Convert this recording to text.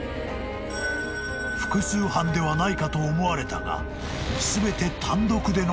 ［複数犯ではないかと思われたが］